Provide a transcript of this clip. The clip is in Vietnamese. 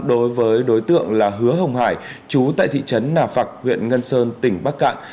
đối với đối tượng là hứa hồng hải chú tại thị trấn nà phạc huyện ngân sơn tỉnh bắc cạn